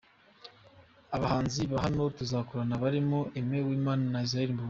Abahanzi ba hano tuzakorana barimo Aime Uwimana na Israel Mbonyi.